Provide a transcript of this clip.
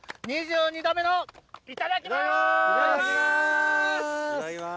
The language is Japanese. ２２度目のいただきます！